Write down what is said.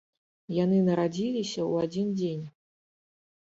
Яны нарадзіліся ў адзін дзень.